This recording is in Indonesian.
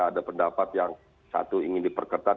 ada pendapat yang satu ingin diperketat